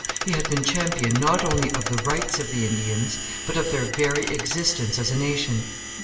He had been champion not only of the rights of the Indians, but of their very existence as a nation.